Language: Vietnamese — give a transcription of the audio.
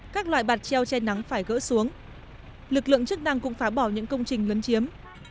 các loại bạt treo che nắng phải gỡ xuống lực lượng chức năng cũng phá bỏ những công trình lấn chiếm